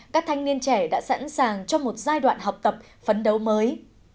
các thanh niên trẻ đã sẵn sàng cho một giai đoạn học tập phấn đấu mới